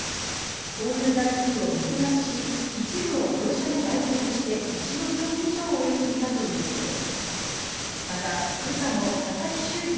購入台数を水増しし一部を業者に売却して、１億円以上得ていたということです。